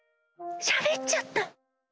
しゃべっちゃった！